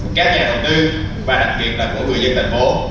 là các doanh nghiệp các nhà đầu tư và đặc biệt là của người dân thành phố